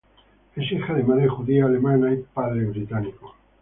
Es hija de madre judía alemana y padre británico.